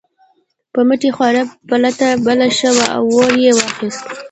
په مټې خوارۍ پلته بله شوه او اور یې واخیست.